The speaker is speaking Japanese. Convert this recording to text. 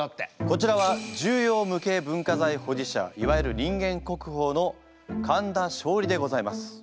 こちらは重要無形文化財保持者いわゆる人間国宝の神田松鯉でございます。